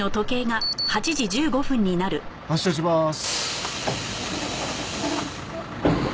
発車します。